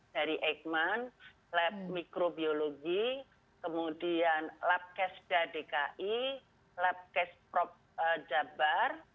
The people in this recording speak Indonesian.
dari eijkman lab mikrobiologi kemudian lab case dki lab case prob jabar